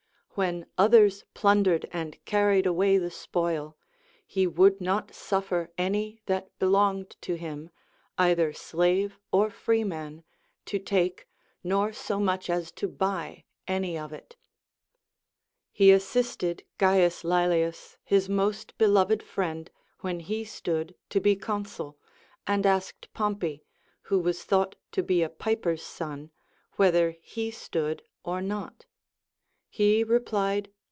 When others plundered and carried away the spoil, he would not suffer any that belonged to him, either slave or freeman, to take, nor so much as to buy any of it. He assisted C. Laelius, his most beloved friend, when he stood to be consul, and asked Pompey (who was thought to be a piper's son) whether he stood or not. He replied.